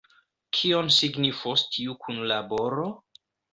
Kion signifos tiu kunlaboro?